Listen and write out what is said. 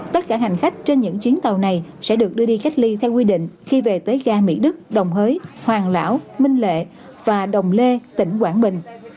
tất cả hành khách trên những chuyến tàu này sẽ được đưa đi cách ly theo quy định khi về tới ga mỹ đức đồng hới hoàng lão minh lệ và đồng lê tỉnh quảng bình